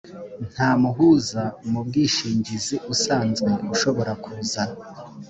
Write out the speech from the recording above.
nta muhuza mu bwishingizi usanzwe ushobora kuza